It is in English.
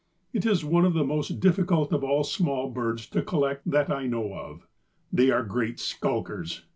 It is one of the most difficult of all the small birds to collect that I know of. They are great skulkers.